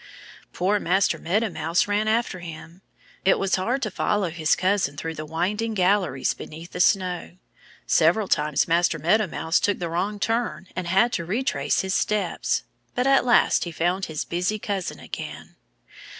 Poor Master Meadow Mouse ran after him. It was hard to follow his cousin through the winding galleries beneath the snow. Several times Master Meadow Mouse took the wrong turn and had to retrace his steps. But at last he found his busy cousin again.